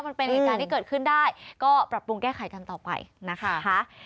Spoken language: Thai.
มันเป็นเหตุการณ์ที่เกิดขึ้นได้ก็ปรับปรุงแก้ไขกันต่อไปนะคะ